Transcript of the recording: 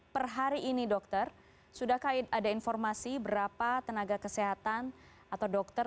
per hari ini dokter sudahkah ada informasi berapa tenaga kesehatan atau dokter